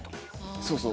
そうそう！